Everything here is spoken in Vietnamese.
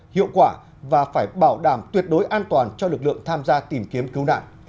hiệu quả và phải bảo đảm tuyệt đối an toàn cho lực lượng tham gia tìm kiếm cứu nạn